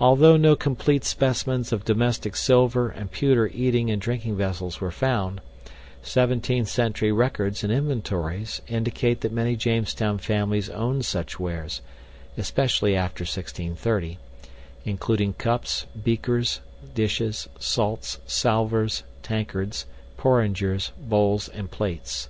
Although no complete specimens of domestic silver and pewter eating and drinking vessels were found, 17th century records and inventories indicate that many Jamestown families owned such wares (especially after 1630), including cups, beakers, dishes, salts, salvers, tankards, porringers, bowls, and plates.